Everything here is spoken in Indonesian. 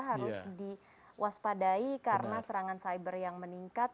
harus diwaspadai karena serangan cyber yang meningkat